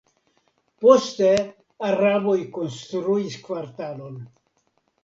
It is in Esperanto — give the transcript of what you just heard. Poste araboj konstruis kvartalon.